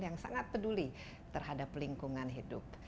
yang sangat peduli terhadap lingkungan hidup